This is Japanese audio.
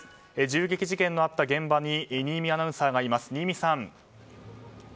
銃撃事件のあった現場に新実アナウンサーがいます。